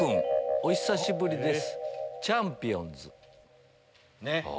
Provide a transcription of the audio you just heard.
お久しぶりです。